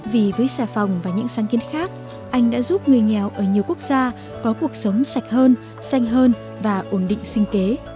vì với xà phòng và những sáng kiến khác anh đã giúp người nghèo ở nhiều quốc gia có cuộc sống sạch hơn xanh hơn và ổn định sinh kế